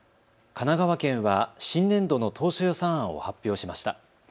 神奈川県は新年度の当初予算案を発表しました。